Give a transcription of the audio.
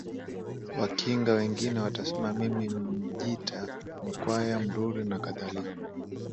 Wakinga Wengine watasema mimi Mmjita Mkwaya Mruri nakadhalika